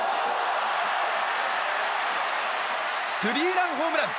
スリーランホームラン！